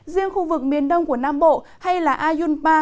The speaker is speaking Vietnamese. riêng khu vực miền đông của nam bộ hay là ayunpa